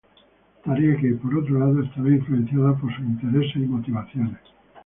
Tarea que, por otro lado, estará influenciada por sus intereses y motivaciones.